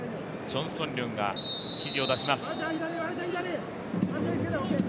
チョン・ソンリョンが指示を出します。